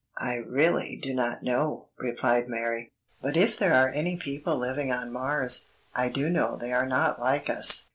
"I really do not know," replied Mary; "but if there are any people living on Mars, I do know they are not like us.